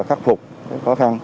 khắc phục khó khăn